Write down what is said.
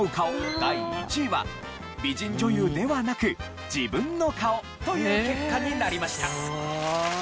第１位は美人女優ではなく自分の顔という結果になりました。